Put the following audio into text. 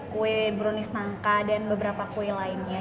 kue brownies nangka dan beberapa kue lainnya